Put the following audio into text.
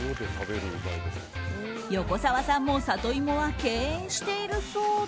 横澤さんもサトイモは敬遠しているそうで。